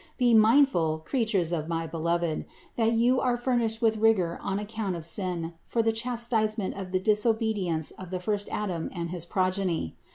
Be mindful, creatures of my Beloved, that you are furnished with rigor on account of sin for the chastisement of the disobedience of the first Adam and his progeny.